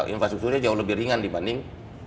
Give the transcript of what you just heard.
invasi strukturnya jauh lebih ringan dibanding